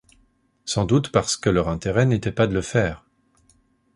Sans doute parce que leur intérêt n’était pas de le faire.